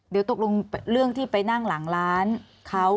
เดี๋ยวตกลงเรื่องที่ไปนั่งหลังร้านเขา